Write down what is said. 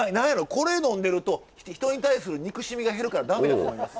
これ飲んでると人に対する憎しみが減るから駄目やと思います。